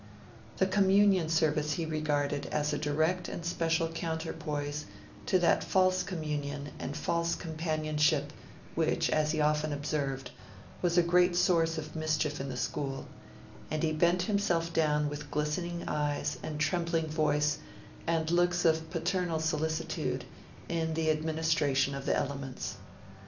The Communion service he regarded as a direct and special counterpoise to that false communion and false companionship, which, as he often observed, was a great source of mischief in the school; and he bent himself down with glistening eyes, and trembling voice, and looks of paternal solicitude, in the administration of the elements.